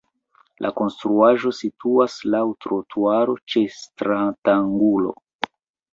La konstruaĵo situas laŭ trotuaro ĉe stratangulo.